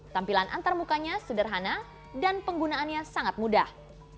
tampilan antarmukanya sederhana dan penggunaannya sangat mudah